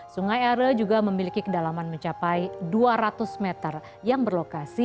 sungai are juga memiliki kedalaman mencapai dua ratus meter yang berlokasi